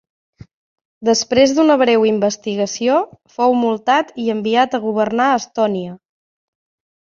Després d'una breu investigació, fou multat i enviat a governar Estònia.